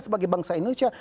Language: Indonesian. sebagai bangsa indonesia